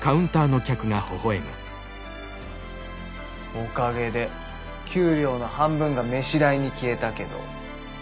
おかげで給料の半分が飯代に消えたけど。